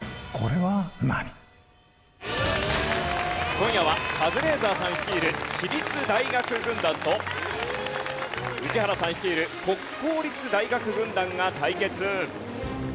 今夜はカズレーザーさん率いる私立大学軍団と宇治原さん率いる国公立大学軍団が対決。